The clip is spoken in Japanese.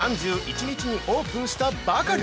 ◆ことし１月３１日にオープンしたばかり！